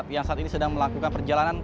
yang saat ini sedang melakukan perjalanan